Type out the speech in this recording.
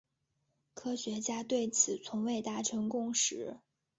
科学家对此从未达成共识。